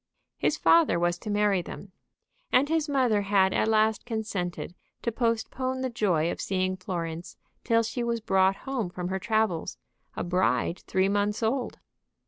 His father was to marry them. And his mother had at last consented to postpone the joy of seeing Florence till she was brought home from her travels, a bride three months old.